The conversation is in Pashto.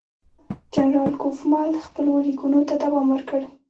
جنرال کوفمان خپلو لیکونو ته دوام ورکړ.